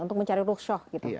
untuk mencari ruksyah gitu